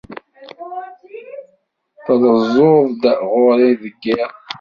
Trezzuḍ-d ɣur-i deg yiḍ.